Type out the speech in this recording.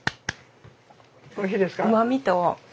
おいしいですか。